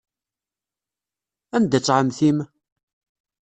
Anda-tt ɛemmti-m?